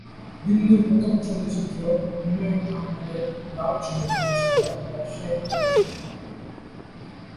বিন্দুর প্রথম চলচ্চিত্র হুমায়ূন আহমেদের "দারুচিনি দ্বীপ" ছিল ব্যবসায়িকভাবে সফল।